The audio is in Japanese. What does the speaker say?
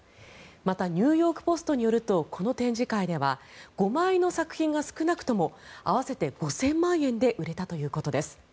またニューヨーク・ポストによるとこの展示会では５枚の作品が少なくとも合わせて５０００万円で売れたということです。